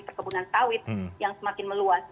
perkebunan sawit yang semakin meluas